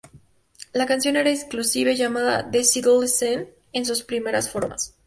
La canción era inclusive llamada "The Seattle Scene" en sus primeras formas.